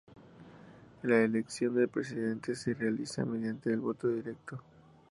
La elección del presidente se realiza mediante voto directo.